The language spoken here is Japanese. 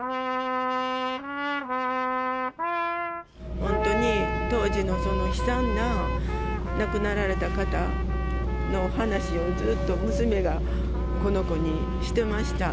本当に当時のその悲惨な、亡くなられた方の話を、ずっと娘がこの子にしてました。